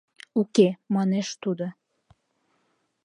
— «Уке», — манеш тудо.